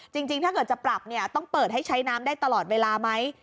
จริงถ้าเกิดจะปรับเนี่ยต้องเปิดให้ใช้น้ำได้ตลอดเวลาไหม